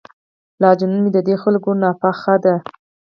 لا جنون مې ددې خلکو ناپخته دی.